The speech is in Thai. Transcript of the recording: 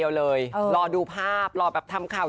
อีกอย่างนึงเรากลัวคนแต่งก่อนเรา